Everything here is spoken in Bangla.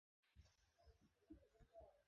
আমার মা সফল হয়েছিল।